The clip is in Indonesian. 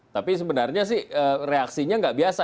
tapi sebenarnya sih reaksinya nggak biasa